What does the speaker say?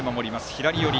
左寄り。